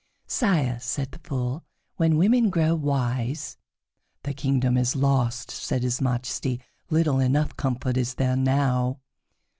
"Sire," said the Fool, "when women grow wise" "The kingdom is lost," said his Majesty. "Little enough comfort is there now."